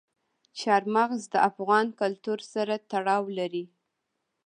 چار مغز د افغان کلتور سره تړاو لري.